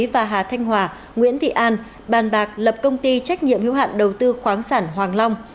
và hà thanh hòa nguyễn thị an bàn bạc lập công ty trách nhiệm hữu hạn đầu tư khoáng sản hoàng long